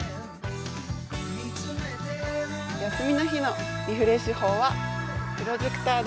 休みの日のリフレッシュ法はプロジェクターで